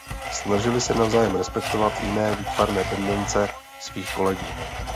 Snažili se navzájem respektovat jiné výtvarné tendence svých kolegů.